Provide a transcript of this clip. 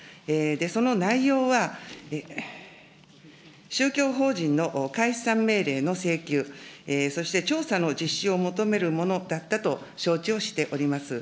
その内容は、宗教法人の解散命令の請求、そして調査の実施を求めるものだったと承知をしております。